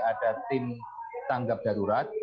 ada tim tanggap darurat